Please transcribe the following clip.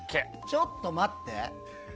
ちょっと待って！